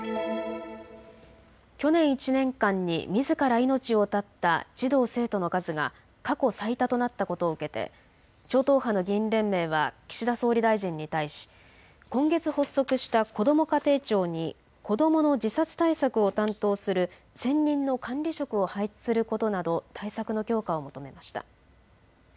去年１年間にみずから命を絶った児童・生徒の数が過去最多となったことを受けて超党派の議員連盟は岸田総理大臣に対し今月、発足したこども家庭庁に子どもの自殺対策を担当する専任の管理職を配置することなど対策の強化を求めました。